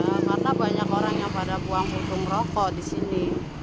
ya karena banyak orang yang pada buang puntung rokok di sini